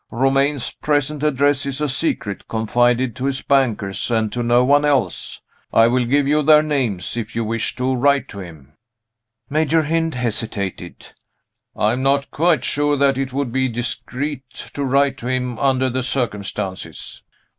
"Romayne's present address is a secret confided to his bankers, and to no one else. I will give you their names, if you wish to write to him." Major Hynd hesitated. "I am not quite sure that it would be discreet to write to him, under the circumstances."